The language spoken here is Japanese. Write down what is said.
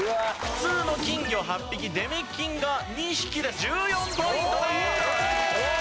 普通の金魚８匹出目金が２匹で１４ポイントです！